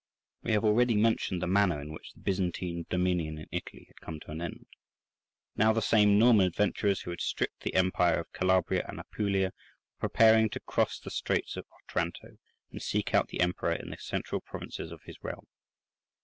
We have already mentioned the manner in which the Byzantine dominion in Italy had come to an end. Now the same Norman adventurers who had stripped the empire of Calabria and Apulia were preparing to cross the straits of Otranto, and seek out the Emperor in the central provinces of his realm.